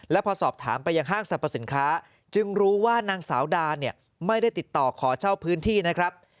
และพอสอบถามไปยังห้างสรรพสินค้าจึงรู้ว่านางสาวดาเนี่ยไม่ได้ติดต่อขอเช่าพื้นที่นะครับ